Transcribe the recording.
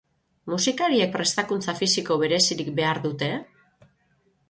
Musikariek prestakuntza fisiko berezirik behar dute?